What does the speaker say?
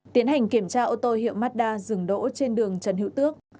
tiến hành kiểm tra ô tô hiệu mazda dừng đỗ trên đường trần hữu tước